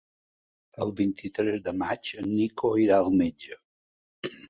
El vint-i-tres de maig en Nico irà al metge.